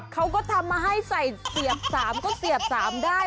เขาก็ทำมาให้ใส่เสียบ๓ก็เสียบ๓ได้